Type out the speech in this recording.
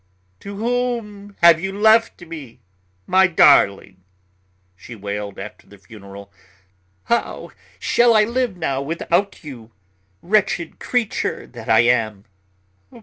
"To whom have you left me, my darling?" she wailed after the funeral. "How shall I live now without you, wretched creature that I am.